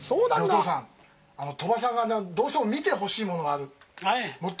お父さん、鳥羽さんがどうしても見てほしいものがあるって。